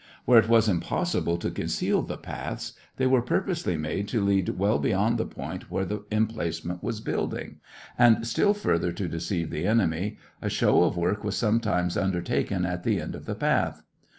Where it was impossible to conceal the paths, they were purposely made to lead well beyond the point where the emplacement was building, and, still further to deceive the enemy, a show of work was sometimes undertaken at the end of the path.